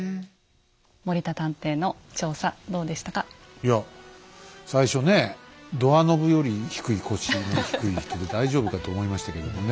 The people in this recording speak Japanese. いや最初ねドアノブより腰の低い人で大丈夫かと思いましたけどもね